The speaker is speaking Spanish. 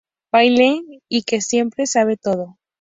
Bailey, y que siempre sabe todo.